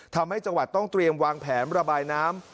ทำให้จังหวัดต้องเตรียมวางแผนระบายน้ำ